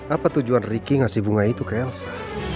apa tujuan ricky ngasih bunga itu ke elsa